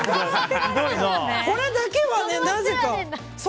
これだけは、なぜか。